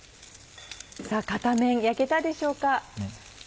片面焼けたでしょうか。